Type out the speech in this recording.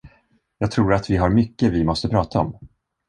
Jag tror att vi har mycket vi måste prata om.